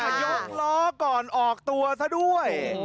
ยกล้อก่อนออกตัวซะด้วย